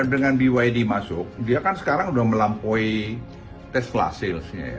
dengan byd masuk dia kan sekarang sudah melampaui tesla sales nya ya